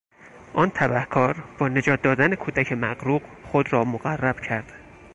آن تبهکار با نجات دادن کودک مغروق خود را مقرب کرد.